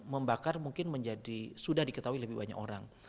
membakar mungkin sudah diketahui lebih banyak orang